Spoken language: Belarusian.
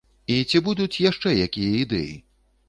І ці будуць яшчэ якія ідэі?